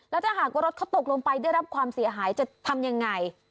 แล้วถ้าหากว่ารถเขาตกลงไปได้รับความเสียหายจะทำยังไง